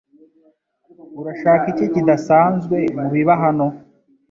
Urashaka iki kidasanzwe mubiba hano?